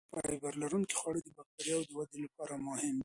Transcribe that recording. فایبر لرونکي خواړه د بکتریاوو ودې لپاره مهم دي.